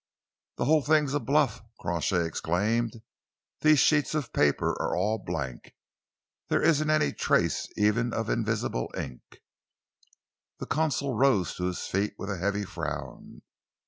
"The whole thing's a bluff!" Crawshay exclaimed. "These sheets of paper are all blank! There isn't any trace even of invisible ink." The consul rose to his feet with a heavy frown.